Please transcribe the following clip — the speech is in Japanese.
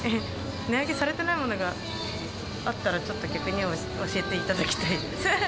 値上げされてないものがあったら、ちょっと逆に教えていただきたい。